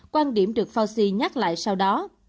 quan điểm được fauci nhắc lại sau đó